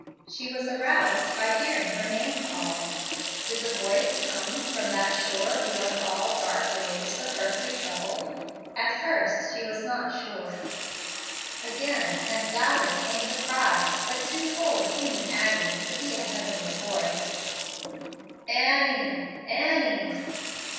She was aroused by hearing her name called. Did the voice come from that shore beyond all dark waves of earthly trouble? At first she was not sure. Again and louder came the cry, but too full of human agony to be a heavenly voice "Annie! Annie!"